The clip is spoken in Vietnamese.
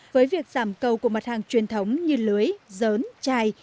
với việc giảm cầu của mặt hàng truyền thống như lưới giớn chài